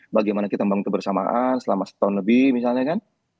bagaimana kita membangun kebersamaan selama setahun lebih misalnya kan